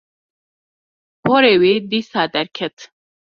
Porê wê dîsa derket